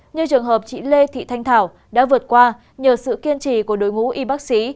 như trường hợp chị lê thị thanh thảo đã vượt qua nhờ sự kiên trì của đội ngũ y bác sĩ